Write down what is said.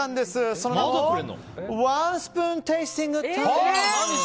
その名もワンスプーン・テイスティング・タイム。